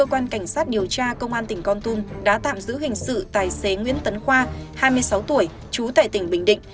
cảnh sát điều tra công an tỉnh con tum đã tạm giữ hình sự tài xế nguyễn tấn khoa hai mươi sáu tuổi trú tại tỉnh bình định